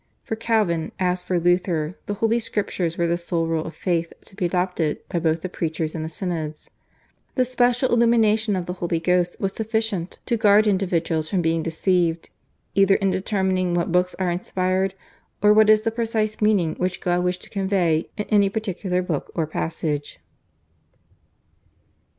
For Calvin as for Luther the Holy Scriptures were the sole rule of faith to be adopted by both the preachers and the synods. The special illumination of the Holy Ghost was sufficient to guard individuals from being deceived either in determining what books are inspired, or what is the precise meaning which God wished to convey in any particular book or passage.